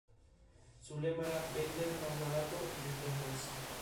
Su lema era "Vender más barato y vender más".